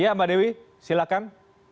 iya mbak dewi silakan